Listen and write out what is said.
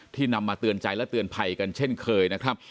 นำมาเตือนใจและเตือนภัยกันเช่นเคยนะครับ